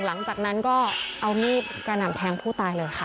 หลังจากนั้นก็เอามีดกระหน่ำแทงผู้ตายเลยค่ะ